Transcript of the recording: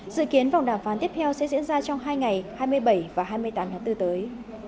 dự kiến vòng đàm phán tiếp theo sẽ diễn ra trong hai ngày hai mươi bảy và hai mươi tám tháng bốn tới